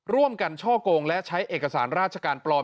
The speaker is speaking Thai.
ร่วมกันช่อกงและใช้เอกสารราชการปลอม